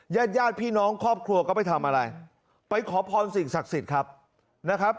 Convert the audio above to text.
ญาติญาติพี่น้องครอบครัวก็ไปทำอะไรไปขอพรสิ่งศักดิ์สิทธิ์ครับนะครับ